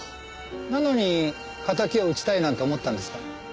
なのに敵を討ちたいなんて思ったんですか？